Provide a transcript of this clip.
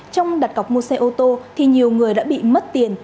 trong đặt cọc mua xe ô tô thì nhiều người đã bị mất tiền